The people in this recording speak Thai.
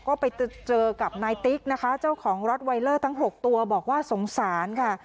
ก็ไปเจอกับนายติ๊กนะคะเจ้าของรถไวเลอร์ทั้ง๖ตัวบอกว่าสงสารค่ะ